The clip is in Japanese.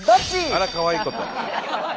あらかわいいこと。